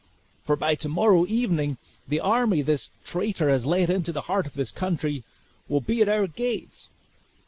for by to morrow evening the army this traitor has let into the heart of this country will be at our gates!"